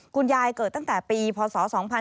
คุณยายเกิดตั้งแต่ปีพศ๒๔๕๘